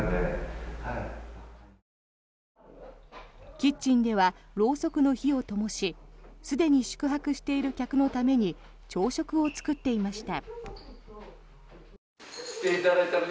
キッチンではろうそくの火をともしすでに宿泊している客のために朝食を作っていました。